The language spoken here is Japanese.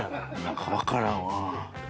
何かわからんわ。